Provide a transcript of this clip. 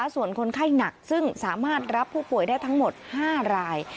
ส่วนคนไข้หนักซึ่งสามารถรับผู้ป่วยได้ทั้งหมด๕ราย